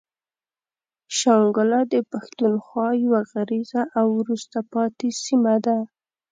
شانګله د پښتونخوا يوه غريزه او وروسته پاتې سيمه ده.